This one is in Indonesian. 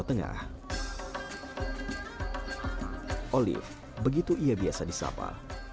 tahlilan itu biasa